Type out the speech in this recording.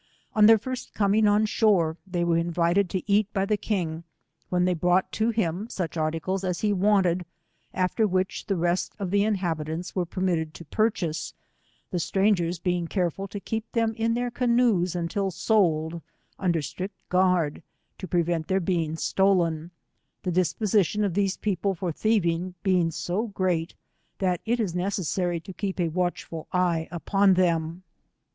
On their first coming on shore they were invited to eat by the king, when they brought to him su«h articles as he wanted, after which the rest of the inhabitants were permitted to purchase, the strangers being careful to keep them io their canoes until sold, under strict guard to prevent ^leir being stolen, the dispositioa of these people for thieving being so great, that it is necessa ry to keep a watchful eye upon them.